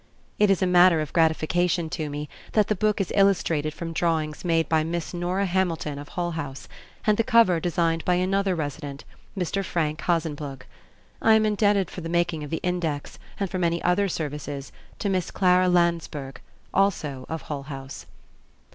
It is a matter of gratification to me that the book is illustrated from drawings made by Miss Norah Hamilton of Hull House, and the cover designed by another resident, Mr. Frank Hazenplug. I am indebted for the making of the index and for many other services to Miss Clara Landsberg, also of Hull House.